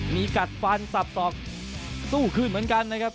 มีกัดฟันสับสอกสู้คืนเหมือนกันนะครับ